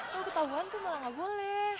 kalau ketahuan tuh malah nggak boleh